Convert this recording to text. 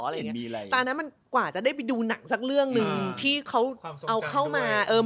แต่ตอนนั้นกว่าจะได้ไปดูหนังสักเรื่องหนึ่งที่เขาเอาเข้ามา